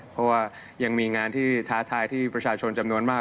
เพราะว่ายังมีงานที่ท้าทายที่ประชาชนจำนวนมาก